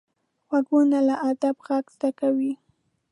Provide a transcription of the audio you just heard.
غوږونه له ادب غږ زده کوي